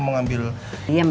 mau ngambil peci